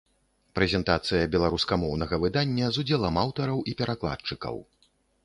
Прэзентацыя беларускамоўнага выдання з удзелам аўтараў і перакладчыкаў.